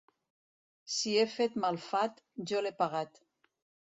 Si he fet mal fat, jo l'he pagat.